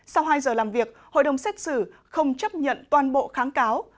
sau hai giờ làm việc hội đồng xét xử không chấp nhận toàn bộ kháng cáo